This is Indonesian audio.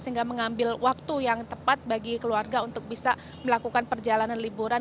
sehingga mengambil waktu yang tepat bagi keluarga untuk bisa melakukan perjalanan liburan